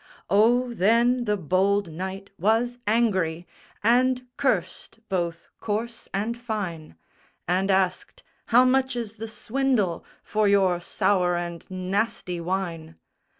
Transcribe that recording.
Oh, then the bold knight was angry, And cursed both coarse and fine; And asked, "How much is the swindle For your sour and nasty wine?"